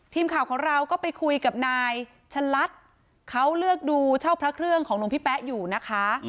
ทีมข่าวของเราก็ไปคุยกับนายชะลัดเขาเลือกดูเช่าพระเครื่องของหลวงพี่แป๊ะอยู่นะคะ